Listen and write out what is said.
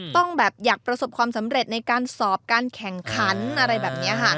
ต้องแบบอยากประสบความสำเร็จในการสอบการแข่งขันอะไรแบบนี้ค่ะ